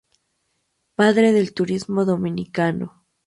Padre del turismo dominicano.